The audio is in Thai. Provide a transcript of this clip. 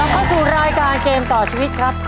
เข้าสู่รายการเกมต่อชีวิตครับ